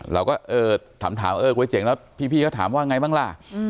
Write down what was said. เราก็เออถามเออก๋วยเจ๋งแล้วพี่ก็ถามว่าไงบ้างล่ะ